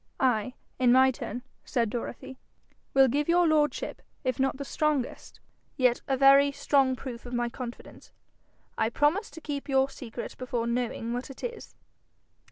'I, in my turn,' said Dorothy, 'will give your lordship, if not the strongest, yet a very strong proof of my confidence: I promise to keep your secret before knowing what it is.'